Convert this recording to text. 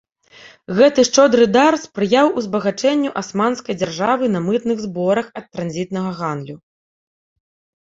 Гэты шчодры дар спрыяў узбагачэнню асманскай дзяржавы на мытных зборах ад транзітнага гандлю.